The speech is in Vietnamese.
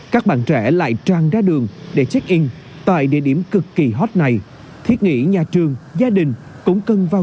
các bạn hãy đăng ký kênh để ủng hộ kênh của mình nhé